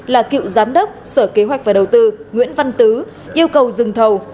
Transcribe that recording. là cựu giám đốc sở kế hoạch và đầu tư nguyễn văn tứ yêu cầu dừng thầu